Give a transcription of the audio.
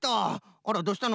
あらどうしたの？